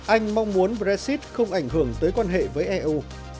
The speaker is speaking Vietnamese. anh mong muốn brexit không ảnh hưởng tới quan hệ với eu